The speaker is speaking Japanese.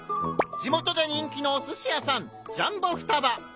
地元で人気のお寿司屋さん『ジャンボ・双葉』！